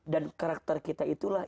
dan karakter kita itulah